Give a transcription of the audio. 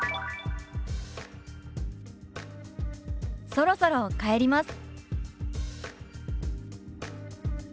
「そろそろ帰ります」。